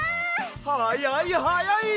はやいはやい！